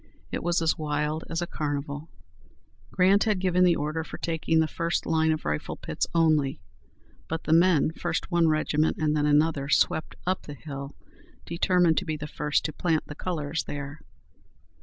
It was as wild as a carnival." Grant had given the order for taking the first line of rifle pits only, but the men, first one regiment and then another, swept up the hill, determined to be the first to plant the colors there.